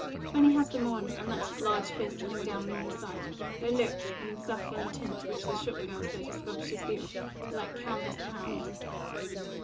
When he had them on, and let his large fists hang down on either side, they looked, in the saffron tint which the shop girl said his gloves should be of, like canvased hams.